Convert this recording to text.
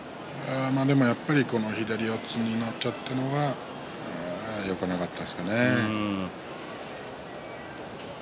でもやっぱり左四つになってしまったのはよくなかったですね。